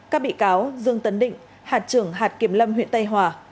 các bị cáo dương tấn định hạt trưởng hạt kiểm lâm huyện tây hòa